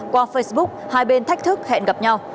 qua facebook hai bên thách thức hẹn gặp nhau